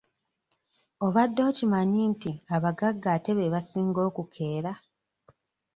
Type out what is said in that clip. Obadde okimanyi nti abagagga ate be basinga okukeera?